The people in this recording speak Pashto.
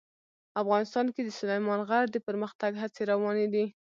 افغانستان کې د سلیمان غر د پرمختګ هڅې روانې دي.